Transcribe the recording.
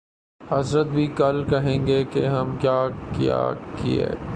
حضرت بھی کل کہیں گے کہ ہم کیا کیا کیے